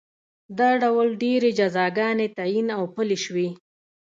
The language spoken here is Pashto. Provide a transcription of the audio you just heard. دا ډول ډېرې جزاګانې تعین او پلې شوې